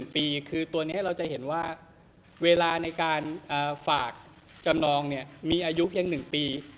ปีคือตัวนี้เราจะเห็นว่าเวลาในการฝากจำนองมีอายุเพียง๑ปี